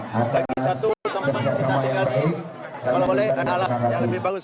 bagi satu tempat kita dikali kalau boleh ada alat yang lebih bagus